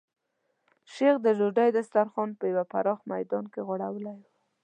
شیخ د ډوډۍ دسترخوان په یو پراخ میدان کې غوړولی و.